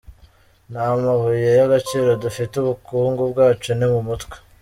Nta mabuye y’agaciro dufite, ubukungu bwacu ni mu mutwe.